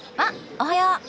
おはよう。